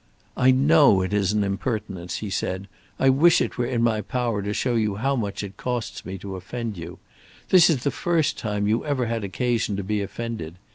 "I know it is an impertinence," he said; "I wish it were in my power to show how much it costs me to offend you. This is the first time you ever had occasion to be offended.